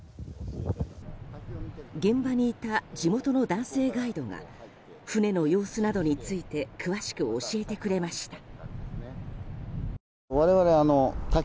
現場にいた地元の男性ガイドが船の様子などについて詳しく教えてくれました。